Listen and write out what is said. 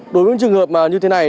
đối với trường hợp như thế này